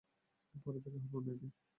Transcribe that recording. পরে দেখা হবে, মেবি।